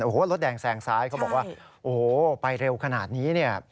โอ้โหรถแดงแซงซ้ายเขาบอกว่าโอ้โหไปเร็วขนาดนี้เนี่ย